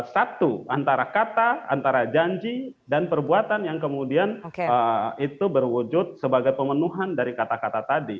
satu antara kata antara janji dan perbuatan yang kemudian itu berwujud sebagai pemenuhan dari kata kata tadi